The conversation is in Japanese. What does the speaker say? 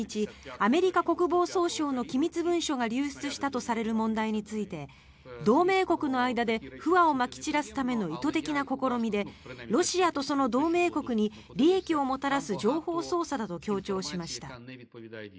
アメリカ国防総省の機密文書が流出したとされる問題について同盟国の間で不和をまき散らすための意図的な試みでロシアとその同盟国に利益をもたらす情報操作だと強調しました。